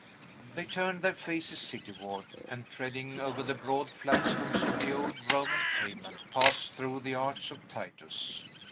They turned their faces cityward, and, treading over the broad flagstones of the old Roman pavement, passed through the Arch of Titus.